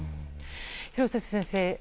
廣瀬先生